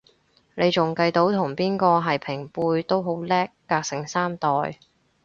你仲計到同邊個係平輩都好叻，隔成三代